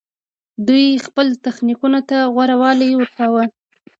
دوی خپل تخنیکونو ته غوره والی ورکاوه